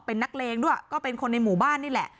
เป็นนักเลงด้วยก็เป็นคนในหมู่บ้านนี่แหละ